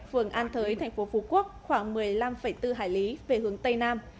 phường an thới tp phú quốc khoảng một mươi năm bốn hải lý về hướng tây nam